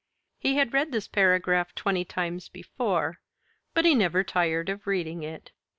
He had read this paragraph twenty times before, but he never tired of reading it.